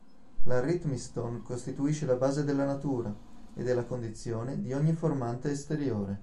L'arrhythmiston costituisce la base della natura ed è la condizione di ogni formante esteriore.